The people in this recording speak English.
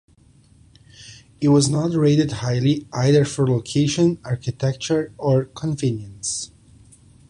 It was not rated highly either for location, architecture or convenience.